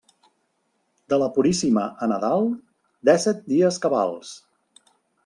De la Puríssima a Nadal, dèsset dies cabals.